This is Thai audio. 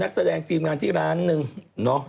นักแสดงทีมงานที่ร้านหนึ่งเนอะ